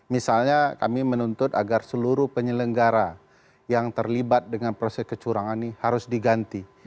misalnya kami menuntut agar seluruh penyelenggara yang terlibat dengan proses kecurangan ini harus diganti